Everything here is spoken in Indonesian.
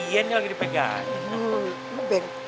iya ini lagi dipegangin